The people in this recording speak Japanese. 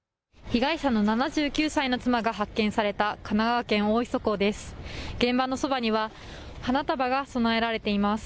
被害者の７９歳の妻が発見された神奈川県、大磯港です。